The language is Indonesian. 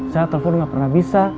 saya telepon nggak pernah bisa